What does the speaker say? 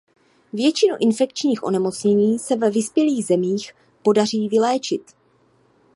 Většinu infekčních onemocnění se ve vyspělých zemích podaří vyléčit.